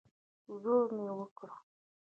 زور مې وکړ.